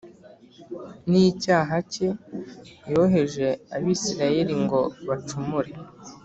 n’icyaha cye yoheje Abisirayeli ngo bacumure